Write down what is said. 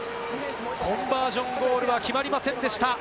コンバージョンゴールは決まりませんでした。